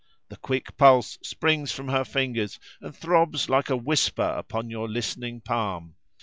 The quick pulse springs from her fingers, and throbs like a whisper upon your listening palm.